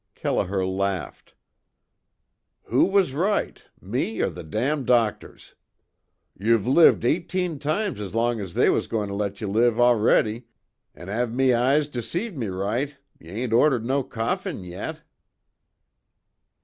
Kelliher laughed: "Who was roight me or the damn doctors? Ye've lived eighteen toimes as long as they was going to let ye live a'ready an' av me eyes deceive me roight, ye ain't ordered no coffin yet."